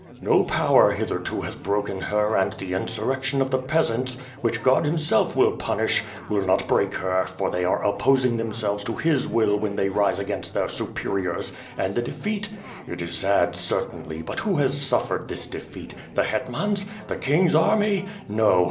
Ko power hitherto has broken her and the insurrection of the peasants, which God himself will punish, will not break her, for they are opposing themselves to His will when they rise against their superiors, and the defeat — it is sad, certainly, but who has suffered this defeat? The hetmans? The king's army? No!